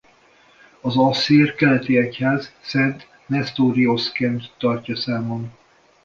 Az Asszír keleti egyház Szent Nesztorioszként tartja számon.